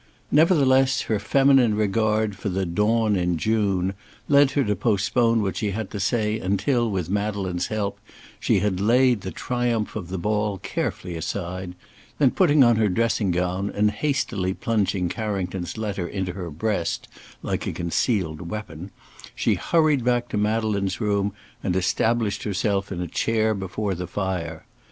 Nevertheless, her feminine regard for the "Dawn in June" led her to postpone what she had to say until with Madeleine's help she had laid the triumph of the ball carefully aside; then, putting on her dressing gown, and hastily plunging Carrington's letter into her breast, like a concealed weapon, she hurried back to Madeleine's room and established herself in a chair before the fire.